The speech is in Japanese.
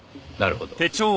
なるほど。